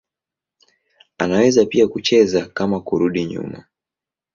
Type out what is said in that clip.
Anaweza pia kucheza kama kurudi nyuma.